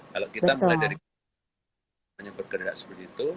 kalau kita mulai dari keluarga yang bergerak seperti itu